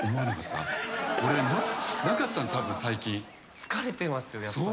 疲れてますよね、やっぱり。